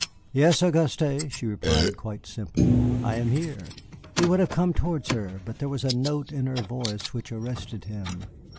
"Yes, Auguste," she replied quite simply, "I am here." He would have come towards her, but there was a note in her voice which arrested him.